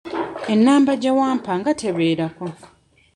Enamba gye wampa nga tebeerako?